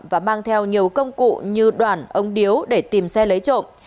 và mang theo nhiều công cụ như đoàn ống điếu để tìm xe lấy trộm